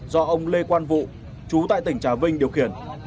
do ông lê quan vụ chú tại tỉnh trà vinh điều khiển